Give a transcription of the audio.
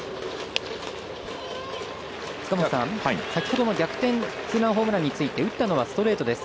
先ほどの逆転ツーランホームランについて打ったのはストレートです。